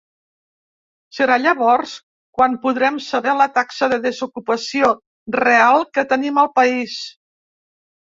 Serà llavors quan podrem saber la taxa de desocupació real que tenim al país.